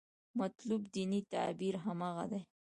مطلوب دیني تعبیر هماغه دی.